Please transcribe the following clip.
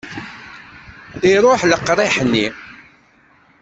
Iruḥ leqriḥ-nni.